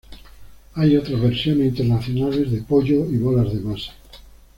Hay otras versiones internacionales de pollo y bolas de masa.